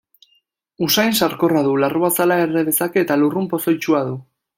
Usain sarkorra du, larruazala erre dezake eta lurrun pozoitsua du.